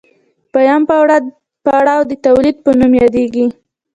دویم پړاو د تولید په نوم یادېږي